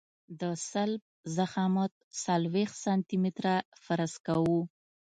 د سلب ضخامت څلوېښت سانتي متره فرض کوو